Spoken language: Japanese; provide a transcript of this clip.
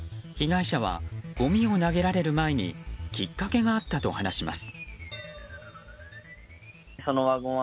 被害者は、ごみを投げられる前にきっかけがあったと話します。